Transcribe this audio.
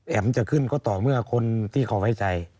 จะขึ้นก็ต่อเมื่อคนที่เขาไว้ใจ